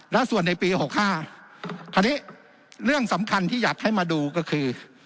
และส่วนในปี๖๕คราวนี้เรื่องสำคัญที่อยากให้มาดูก็คือ